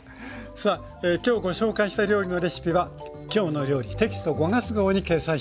さあ今日ご紹介した料理のレシピは「きょうの料理」テキスト５月号に掲載しています。